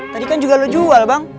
tadi kan juga lo jual bang